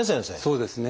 そうですね。